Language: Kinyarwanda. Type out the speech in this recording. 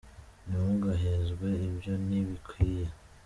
Ntimugahenzwe ibyo ntibikwiye